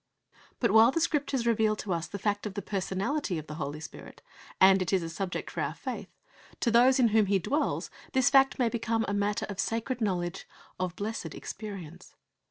But while the Scriptures reveal to us the fact of the personality of the Holy Spirit, and it is a subject for our faith, to those in whom He dwells this fact may become a matter of sacred knowledge, of blessed experience.